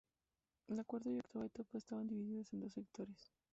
La cuarta y octava etapa estaban divididas en dos sectores.